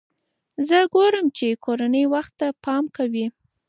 زه ګورم چې کورنۍ وخت ته پام کوي.